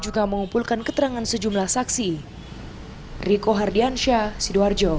agar mengumpulkan keterangan sejumlah saksi